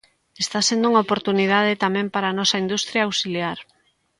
Está sendo unha oportunidade tamén para a nosa industria auxiliar.